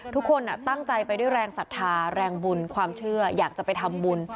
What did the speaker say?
ทุกคนตั้งใจไปด้วยแรงศรัทธาแรงบุญความเชื่ออยากจะไปทำบุญ